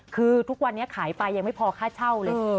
คือทุกวันนี้ขายไปยังไม่พอค่าเช่าเลย